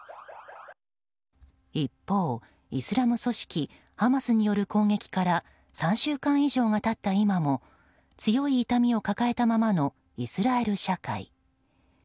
一方、イスラエル組織ハマスによる攻撃から３週間以上が経った今も強い痛みを抱えたままのイスラエル社会。